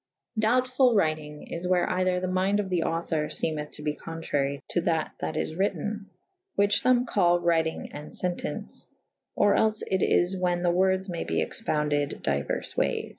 Doubtful wrytynge is where either the mynde of the author femeth to be contrary to that that is wryten / which fom call wryt ynge & fentence / or els it is whan the wordes may be expounded dyuers wayes.